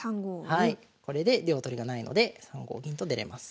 はいこれで両取りがないので３五銀と出れます。